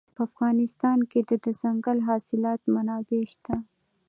په افغانستان کې د دځنګل حاصلات منابع شته.